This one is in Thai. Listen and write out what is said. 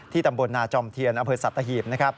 ที่ตำบวนนาจอมเทียนอเผิดสัตว์ตะหีบ